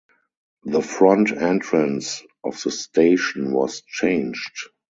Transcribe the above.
The front entrance of the station was changed.